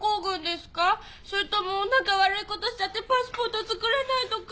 それとも何か悪いことしちゃってパスポート作れないとか！？